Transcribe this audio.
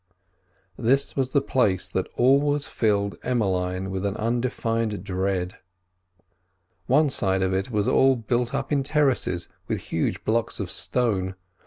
This was the place that always filled Emmeline with an undefined dread. One side of it was all built up in terraces with huge blocks of stone.